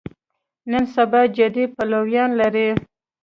نن سبا جدي پلویان لري.